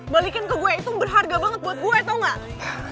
balikin ke gue itu berharga banget buat gue atau enggak